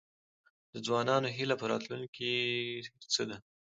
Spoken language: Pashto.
د ځوانانو هیله په راتلونکي څه ده؟